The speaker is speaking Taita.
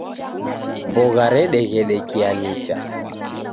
Mbogha radeghedekie nicha.